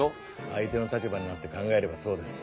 相手の立場になって考えればそうです。